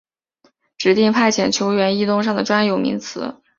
指定派遣球员异动上的专有名词。